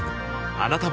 あなたも